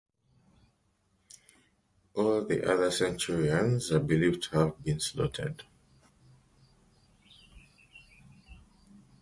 All the other Centaurians are believed to have been slaughtered.